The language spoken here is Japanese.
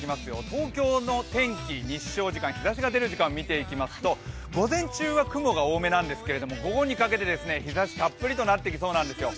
東京の天気、日照時間日ざしが出る時間を見ていきますと午前中は雲が多めなんですけど午後にかけて日ざしたっぷりとなってきそうなんですよ。